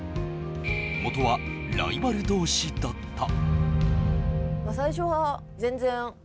元はライバル同士だった。